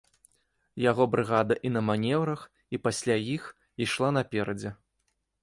Яго брыгада і на манеўрах, і пасля іх ішла наперадзе.